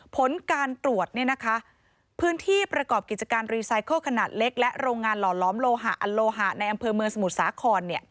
ผลการตรวจพื้นที่ประกอบกิจการรีไซเคิลขนาดเล็กและโรงงานหล่อล้อมโลหะอันโลหะในอำเภอเมืองสมุทรสาคร